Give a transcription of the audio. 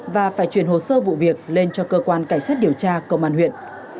và phải chuyển hồ sơ vụ việc lên cho cơ quan cảnh sát điều tra công an huyện